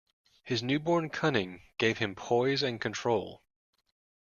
His newborn cunning gave him poise and control.